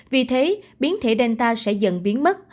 vì thế biến thể delta sẽ dần biến mất